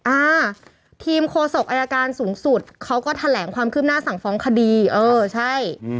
อ่าทีมโคศกอายการสูงสุดเขาก็แถลงความคืบหน้าสั่งฟ้องคดีเออใช่